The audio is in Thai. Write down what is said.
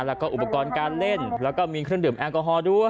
แล้วก็อุปกรณ์การเล่นแล้วก็มีเครื่องดื่มแอลกอฮอล์ด้วย